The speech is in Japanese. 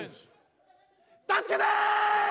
助けて！